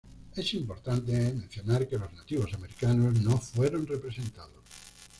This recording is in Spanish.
Es importante mencionar que los nativos americanos no fueron representados.